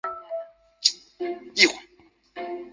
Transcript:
宫前天后宫的历史年代为清代。